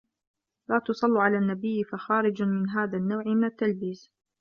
لَا تُصَلُّوا عَلَى النَّبِيِّ فَخَارِجٌ مِنْ هَذَا النَّوْعِ مِنْ التَّلْبِيسِ